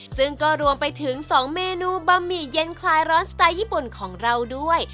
ซึ่งก็รวมไปถึง๒เมนูบะหมี่เย็นคลายร้อนสไตล์ญี่ปุ่นของเราด้วย